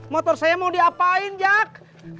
motor saya mau diapain jak